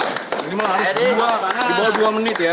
minimal harus dua di bawah dua menit ya